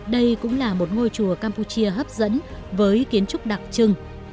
đây cũng là một ngôi chùa campuchia hấp dẫn với kiến trúc đặc trưng